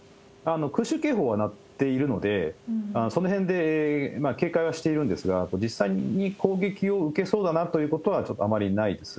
空襲警報は鳴っているので、そのへんで警戒はしているんですが、実際に攻撃を受けそうだなということは、ちょっとあまりないです。